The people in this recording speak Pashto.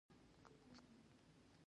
عصمت بد هلک نه دی.